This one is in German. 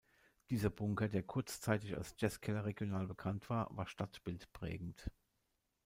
Dieser Bunker, der kurzzeitig als "Jazz-Keller" regional bekannt war, war stadtbildprägend.